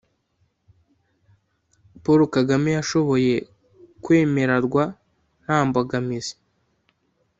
paul kagame yashoboye kwemerarwa nta mbogamizi .